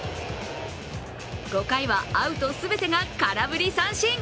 ５回はアウト全てが空振り三振。